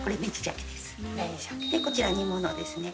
こちら煮物ですね。